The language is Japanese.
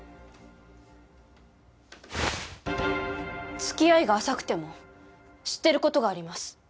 付き合いが浅くても知ってる事があります。